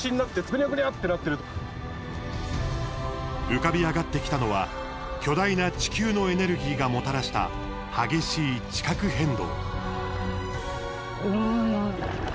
浮かび上がってきたのは巨大な地球のエネルギーがもたらした激しい地殻変動。